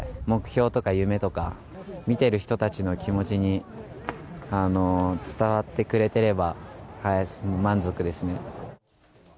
目標とか夢とか、見てる人たちの気持ちに、伝わってくれてれば満足ですね。